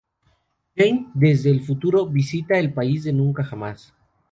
Jane, desde el futuro, visita el País de Nunca Jamás.